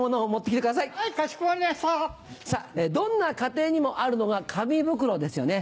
どんな家庭にもあるのが紙袋ですよね。